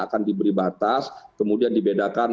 akan diberi batas kemudian dibedakan